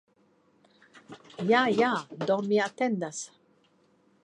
Ja, ja, do mi atendas.